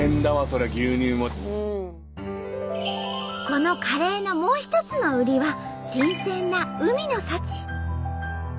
このカレーのもう一つの売りは新鮮な海の幸。